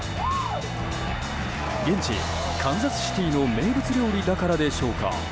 現地カンザスシティーの名物料理だからでしょうか？